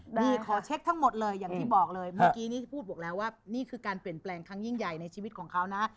ดีขอเช็คทั้งหมดเลยอย่างที่บอกเลยเมื่อกี้นี้พูดบอกแล้วว่านี่คือการเปลี่ยนแปลงครั้งยิ่งใหญ่ในชีวิตของเขานะ